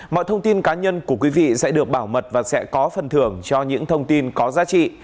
mọi thông tin cá nhân của quý vị sẽ được bảo mật và sẽ có phần thưởng cho những thông tin có giá trị